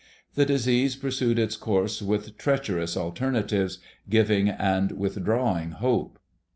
The disease pursued its course with treacherous alternatives, giving and withdrawing hope.